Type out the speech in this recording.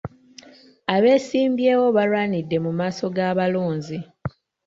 Abeesimbyewo baalwanidde mu maaso g'abalonzi.